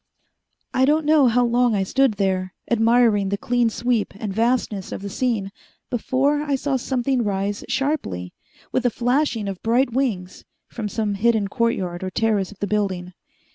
I don't know how long I stood there, admiring the clean sweep and vastness of the scene, before I saw something rise sharply, with a flashing of bright wings, from some hidden courtyard or terrace of the building.